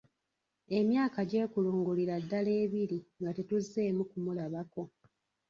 Emyaka gyekulungulira ddala ebiri nga tetuzzeemu kumulabako.